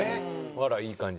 あらいい感じ。